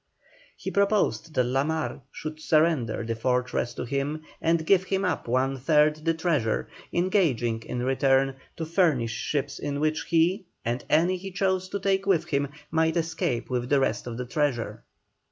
He proposed that La Mar should surrender the fortress to him and give him up one third the treasure, engaging in return to furnish ships in which he, and any he chose to take with him, might escape with the rest of the treasure.